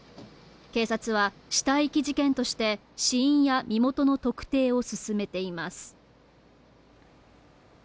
警察は死体遺棄事件として死因や身元の特定を進めています。